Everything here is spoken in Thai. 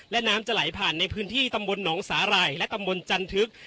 และน้ำจะไหลผ่านในพื้นที่ตำบลหนองสาหร่ายและตำบลจันทึก